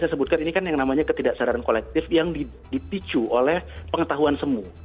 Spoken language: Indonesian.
saya sebutkan ini kan yang namanya ketidaksadaran kolektif yang dipicu oleh pengetahuan semu